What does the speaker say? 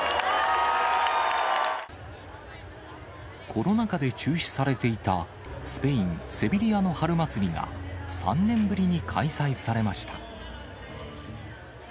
コロナ禍で中止されていた、スペイン・セビリアの春祭りが、３年ぶりに開催されました。